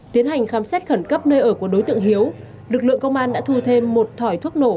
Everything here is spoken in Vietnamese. tiến hành khám xét khẩn cấp nơi ở của đối tượng hiếu lực lượng công an đã thu thêm một thỏi thuốc nổ